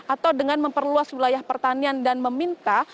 atau dengan memperluas wilayah pertanian dan meminta